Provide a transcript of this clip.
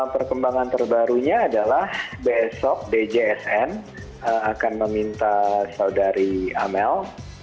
perkembangan terbarunya adalah besok djsn akan meminta saudari amel